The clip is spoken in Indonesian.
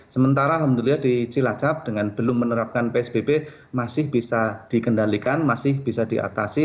sementara alhamdulillah di cilacap dengan belum menerapkan psbb masih bisa dikendalikan masih bisa diatasi